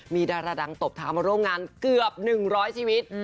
มีดาราดังตบเท้ามาร่วมงานเกือบ๑๐๐ชีวิต